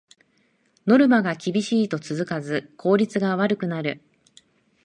ノルマが厳しいと続かず効率が悪くなる